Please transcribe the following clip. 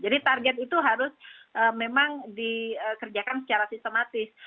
jadi target itu harus memang dikerjakan secara sistematis